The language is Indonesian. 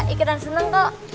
ikutan senang kok